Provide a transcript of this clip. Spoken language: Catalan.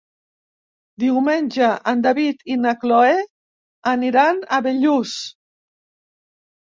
Diumenge en David i na Cloè aniran a Bellús.